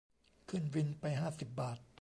ขึ้นวินไปห้าสิบบาท